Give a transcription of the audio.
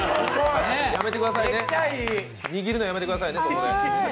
やめてくださいね、握るのやめてくださいね。